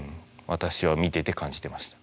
私は見てて感じてました。